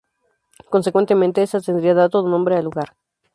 Consecuentemente, esta tendría dato nombre al lugar.